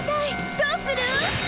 どうする！？